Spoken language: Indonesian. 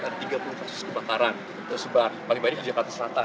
terus sebab paling banyak di jakarta selatan